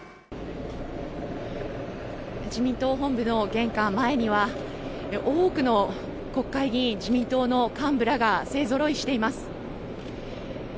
自民党本部の玄関前には多くの国会議員自民党の幹部らが勢ぞろいしています。